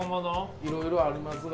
いろいろありますが。